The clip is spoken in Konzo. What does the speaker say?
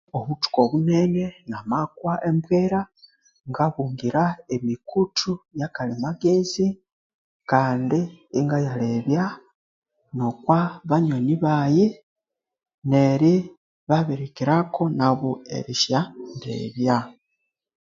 Obuthuku obunene namakwa embwera ngabungira emikuthu yakali magezi kandi ingayalebya nokwa banywani bayi neri babirikiraku nabu erisya ndebya